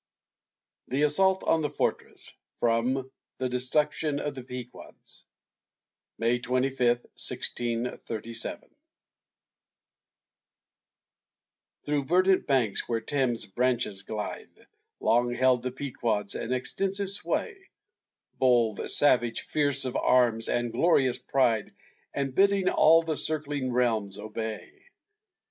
THE ASSAULT ON THE FORTRESS From "The Destruction of the Pequods" [May 25, 1637] Through verdant banks where Thames's branches glide, Long held the Pequods an extensive sway; Bold, savage, fierce, of arms the glorious pride, And bidding all the circling realms obey.